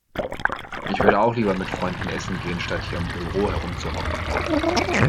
Ich würde auch lieber mit Freunden Essen gehen, statt hier im Büro herumzuhocken.